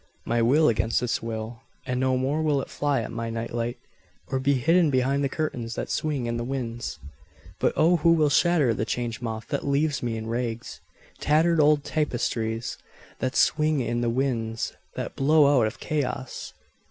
My will against its will, and no more will it fly at my night light or be hidden behind the curtains that swing in the winds.(But O who will shatter the Change Moth that leaves me in rags—tattered old tapestries that swing in the winds that blow out of Chaos!)